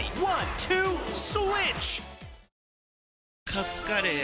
カツカレー？